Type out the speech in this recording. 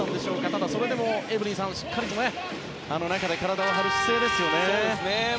ただ、それでもエブリンさんしっかりと中で体を張る姿勢ですね。